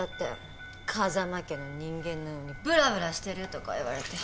風間家の人間なのにブラブラしてるとか言われて。